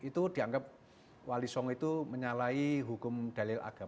itu dianggap wali songo itu menyalahi hukum dalil alam